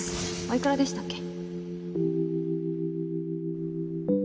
おいくらでしたっけ？